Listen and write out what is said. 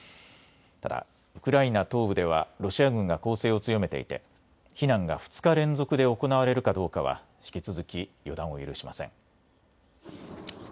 ただウクライナ東部ではロシア軍が攻勢を強めていて避難が２日連続で行われるかどうかは引き続き予断を許しません。